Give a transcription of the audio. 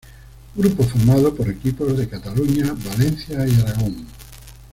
Grupo formado por equipos de Cataluña, Valencia y Aragón.